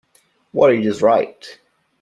Worried is right.